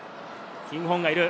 キングホーンがいる。